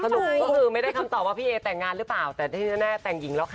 สรุปก็คือไม่ได้คำตอบว่าพี่เอแต่งงานหรือเปล่าแต่ที่แน่แต่งหญิงแล้วค่ะ